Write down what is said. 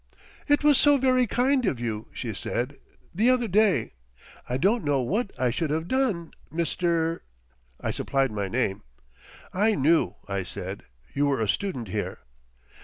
"It was so very kind of you," she said, "the other day. I don't know what I should have done, Mr.—" I supplied my name. "I knew," I said, "you were a student here."